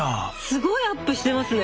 すごいアップしてますね！